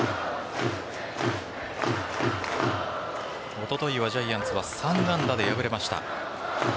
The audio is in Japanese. おとといはジャイアンツは３安打で敗れました。